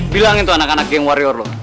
bilangin tuh anak anak geng warior lo